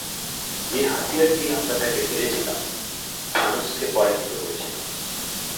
যে হাতিয়ার দিয়ে আমরা তাকে মেরেছিলাম, থানোসকে পরাজিত করেছিলাম।